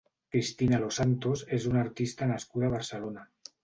Cristina Losantos és una artista nascuda a Barcelona.